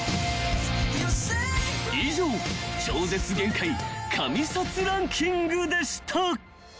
［以上「『超絶限界』神撮ランキング」でした］